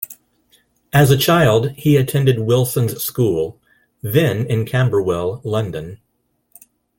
As a child he attended Wilson's School, then in Camberwell, London.